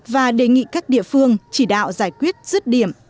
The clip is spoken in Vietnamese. và đề nghị các địa phương chỉ đạo giải quyết rứt điểm